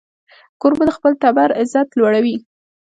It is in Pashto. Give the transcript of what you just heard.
کوربه د خپل ټبر عزت لوړوي.